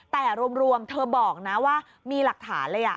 แต่รวมเธอบอกนะว่ามีหลักฐานเลย